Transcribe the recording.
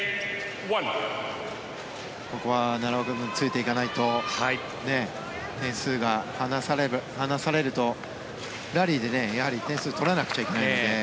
ここは奈良岡君ついていかないと点数が離されると、ラリーで点数を取らなくちゃいけないので